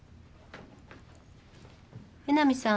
江波さん。